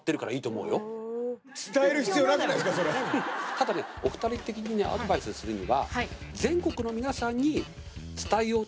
ただねお二人的にアドバイスするには。